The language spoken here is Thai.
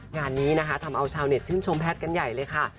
งานนี้นะคะทำเอาชาวเน็ตชื่นชมแพทย์กันใหญ่เลยค่ะ